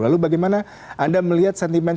lalu bagaimana anda melihat sentimen